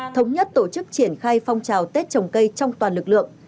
thống nhất tổ chức triển khai phong trào tết trồng cây trong toàn lực lượng